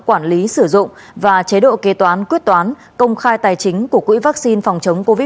quản lý sử dụng và chế độ kế toán quyết toán công khai tài chính của quỹ vaccine phòng chống covid một mươi